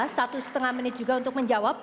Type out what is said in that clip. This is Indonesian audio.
satu setengah menit juga untuk menjawab